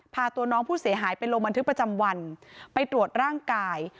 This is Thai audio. พาตัวน้องผู้เสียหายไปลงบันทึกประจำวันไปตรวจร่างกาย